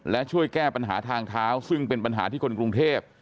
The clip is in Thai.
และช่วยแก้ปัญหาทางเท้าซึ่งเป็นปัญหาที่คนกรุงเทพ